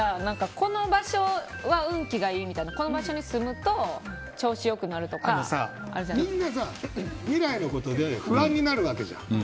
この場所は運気がいいとかこの場所に住むと調子良くなるとかみんなさ、未来のことで不安になるわけじゃん。